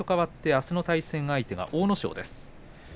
あすの対戦は、阿武咲です。